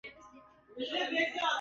Naondoka wangu moyo, nikuitapo itika